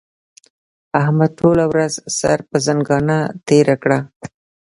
احمد ټوله ورځ سر پر ځنګانه تېره کړه.